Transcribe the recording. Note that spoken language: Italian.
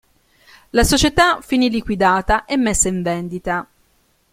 La società finì liquidata e messa in vendita.